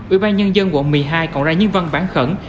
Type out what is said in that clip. ủy ban nhân dân quận một mươi hai còn ra những văn bản khẩn